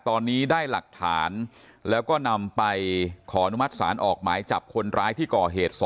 ตอนนี้ได้หลักฐานแล้วก็นำไปขอนุมัติศาลออกหมายจับคนร้ายที่ก่อเหตุ๒